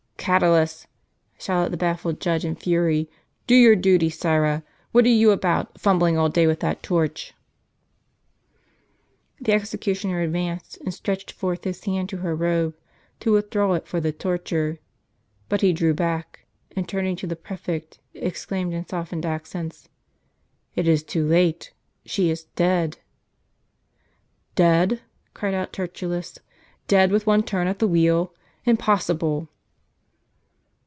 "Catulus!" shouted the baffled judge in fury; "do your duty, sirrah ! what are you about, fumbling all day with that torch ?" The executioner advanced, and stretched forth his hand to her robe, to withdraw it for the torture ; but he drew back, and, turning to the prefect, exclaimed in softened accents :" It is too late. She is dead !"" Dead !" cried out Tertullus ;" dead with one turn of the wheel? impossible!"